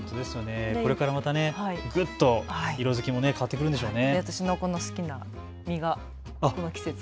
これからまたぐっと色づきも変わってくるんでしょうね。